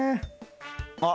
あっ！